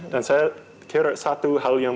dan saya kira satu hal yang